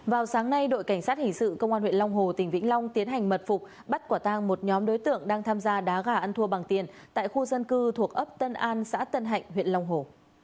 vào sáng nay đội cảnh sát hình sự công an huyện long hồ tỉnh vĩnh long tiến hành mật phục bắt quả tang một nhóm đối tượng đang tham gia đá gà ăn thua bằng tiền tại khu dân cư thuộc ấp tân an xã tân hạnh huyện long hồ